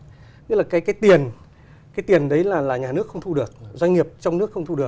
thế là cái tiền cái tiền đấy là nhà nước không thu được doanh nghiệp trong nước không thu được